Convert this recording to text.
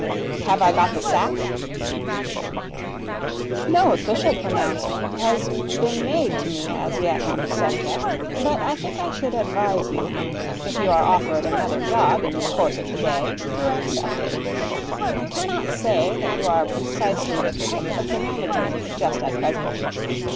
'Have I got the sack?' 'No official pronouncement has been made to me as yet on the subject, but I think I should advise you, if you are offered another job in the course of the day, to accept it. I cannot say that you are precisely the pet of the management just at present.